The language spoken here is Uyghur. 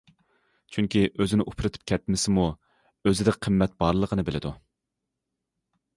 چۈنكى ئۆزىنى ئۇپرىتىپ كەتمىسىمۇ، ئۆزىدە قىممەت بارلىقىنى بىلىدۇ.